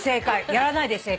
やらないで正解。